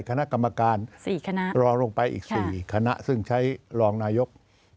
คณะกรรมการ๔คณะรองลงไปอีก๔คณะซึ่งใช้รองนายก